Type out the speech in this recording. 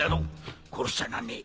殺しちゃなんねえ。